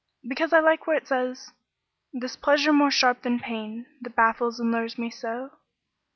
"Because I like where it says: 'This pleasure more sharp than pain, That baffles and lures me so.'"